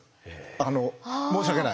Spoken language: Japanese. あの申し訳ない。